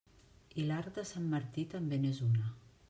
I l'arc de Sant Martí també n'és una.